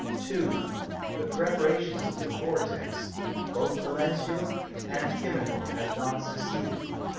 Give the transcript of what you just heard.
2. The Preparations of the Cortex, both Galenical and Chymical, have not succeeded.